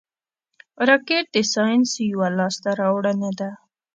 راکټ د ساینس یوه لاسته راوړنه ده